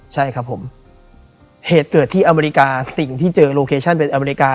ใช่ครับผมเหตุเกิดที่อเมริกาสิ่งที่เจอโลเคชั่นเป็นอเมริกา